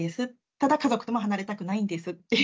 ただ家族とも離れたくないんですっていう。